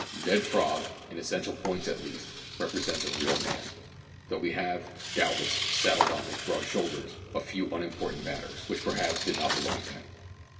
Ned Frog, in essential points at least, represents a real man though we have, doubtless, saddled on his broad shoulders a few unimportant matters, which perhaps did not belong to him.